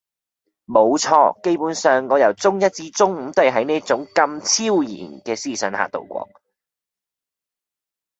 冇錯，基本上，我由中一至中五都係喺呢種咁超然嘅思想下度過